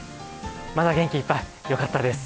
まだ元気いっぱい、よかったです。